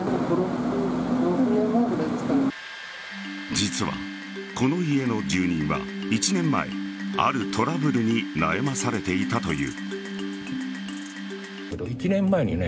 実はこの家の住人は１年前あるトラブルに悩まされていたという。